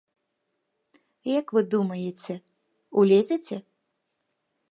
Як вы думаеце, улезеце?